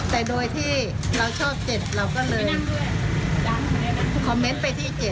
แต่โดยที่เราชอบ๗เราก็เลยคอมเมนต์ไปที่๗